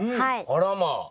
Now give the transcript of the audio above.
あらまあ。